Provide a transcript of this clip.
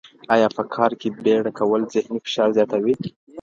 ایا په کار کي بیړه کول ذهني فشار زیاتوي؟